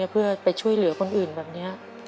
เพื่อไปช่วยเหลือคนอื่นแบบนี้